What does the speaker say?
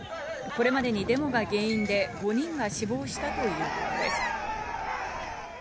これまでにデモが原因で５人が死亡したということです。